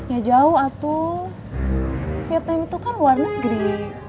ya jauh atau vietnam itu kan luar negeri